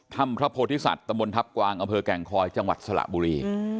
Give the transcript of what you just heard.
พระโพธิสัตว์ตะบนทัพกวางอำเภอแก่งคอยจังหวัดสระบุรี